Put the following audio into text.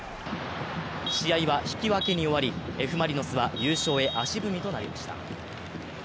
試合は引き分けに終わりＦ・マリノスは優勝へ足踏みとなりました。